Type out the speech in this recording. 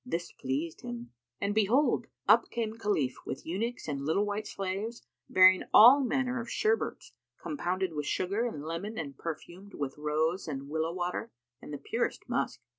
This pleased him and behold, up came Khalif, with eunuchs and little white slaves, bearing all manner sherbets, compounded with sugar and lemon and perfumed with rose and willow water and the purest musk.